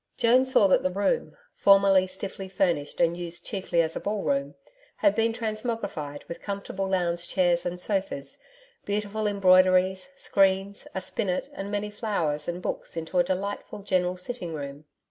Joan saw that the room, formerly stiffly furnished and used chiefly as a ballroom, had been transmogrified with comfortable lounge chairs and sofas, beautiful embroideries, screens, a spinet and many flowers and books into a delightful general sitting room.